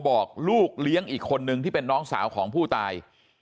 บอกลูกเลี้ยงอีกคนนึงที่เป็นน้องสาวของผู้ตาย